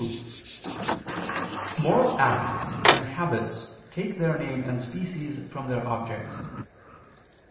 2) moral acts and habits take their name and species from their objects.